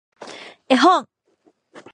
絵本